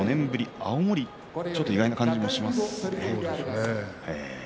青森、ちょっと意外な感じがそうですね。